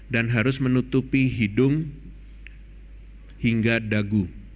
dan harus menutupi hidung hingga dagu